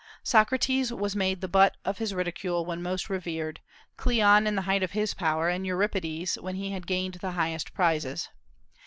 Socrates was made the butt of his ridicule when most revered, Cleon in the height of his power, and Euripides when he had gained the highest prizes.